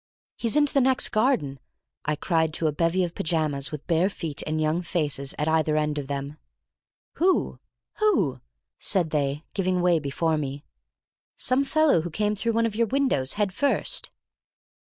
"He's into the next garden," I cried to a bevy of pyjamas with bare feet and young faces at either end of them. "Who? Who?" said they, giving way before me. "Some fellow who came through one of your windows head first."